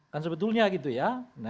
kan sebetulnya gitu ya